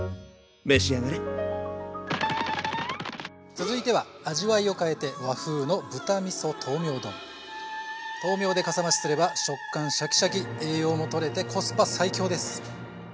続いては味わいを変えて和風の豆苗でかさ増しすれば食感シャキシャキ栄養もとれてコスパ最強です。